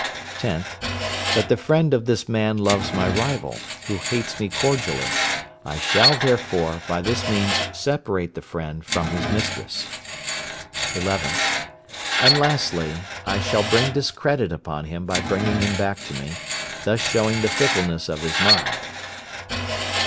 10th. That the friend of this man loves my rival, who hates me cordially; I shall, therefore, by this means separate the friend from his mistress. 11th. And lastly, I shall bring discredit upon him by bringing him back to me, thus showing the fickleness of his mind.